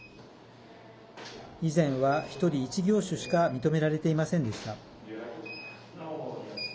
以前は１人１業種しか認められていませんでした。